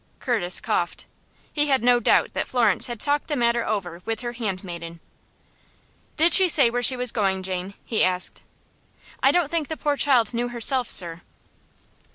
Curtis coughed. He had no doubt that Florence had talked over the matter with her hand maiden. "Did she say where she was going, Jane?" he asked. "I don't think the poor child knew herself, sir."